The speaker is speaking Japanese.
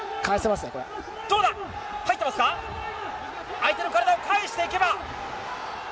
相手の体を返していけば。